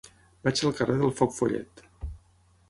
Vaig al carrer del Foc Follet.